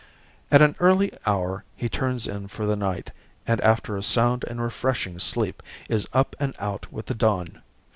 At an early hour he turns in for the night and after a sound and refreshing sleep is up and out with the dawn.